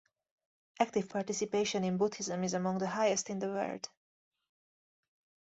Active participation in Buddhism is among the highest in the world.